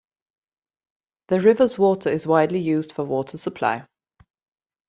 The river's water is widely used for water supply.